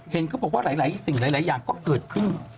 เห็นเขาบอกว่าหลายสิ่งหลายอย่างก็เกิดขึ้น